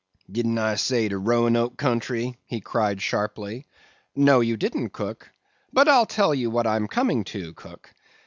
"Didn't I say de Roanoke country?" he cried sharply. "No, you didn't, cook; but I'll tell you what I'm coming to, cook.